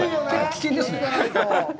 危険ですね。